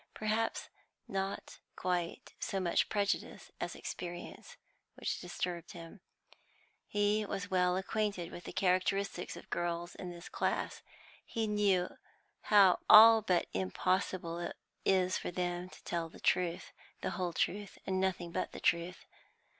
Perhaps not quite so much prejudice as experience which disturbed him. He was well acquainted with the characteristics of girls of this class; he knew how all but impossible it is for them to tell the truth, the whole truth, and nothing but the truth.